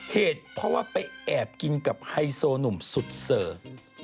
เหตุเพราะว่าไปแอบกินกับไฮโซหนุ่มสุดเสิร์ฟ